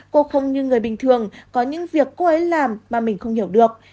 cô không như người bình thường có những việc cô ấy làm mà mình không hiểu được